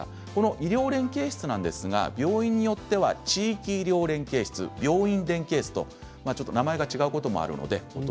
医療連携室は病院によっては地域医療連携室、病院連携室と名前が違うことがあります。